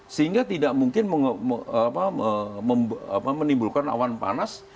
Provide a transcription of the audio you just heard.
sehingga tidak mungkin menimbulkan awan panas